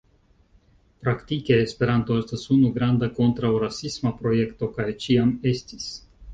Praktike Esperanto estas unu granda kontraŭrasisma projekto kaj ĉiam estis.